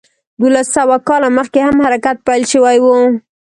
دولس سوه کاله مخکې هم حرکت پیل شوی و.